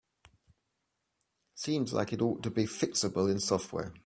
Seems like it ought to be fixable in software.